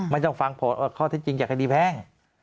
ต้องฟังข้อเท็จจริงจากคดีแพ่ง